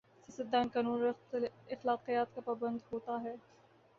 سیاست دان قانون اور اخلاقیات کا پابند ہو تا ہے۔